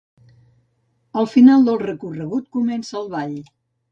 Al final del recorregut comença el ball.